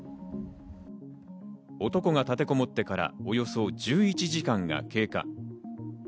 男が立てこもってから、およそ１１時間が経過。